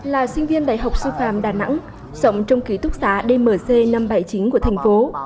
là sinh viên đại học sư phạm đà nẵng rộng trong ký túc xá dmc năm trăm bảy mươi chín của thành phố